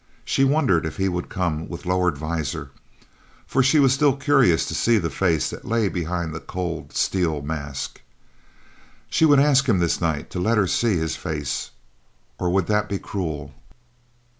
She wondered if he would come with lowered visor, for she was still curious to see the face that lay behind the cold, steel mask. She would ask him this night to let her see his face, or would that be cruel?